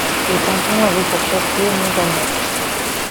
Le canton avait pour chef-lieu Montagnac.